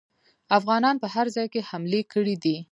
افغانانو په هر ځای کې حملې کړي دي.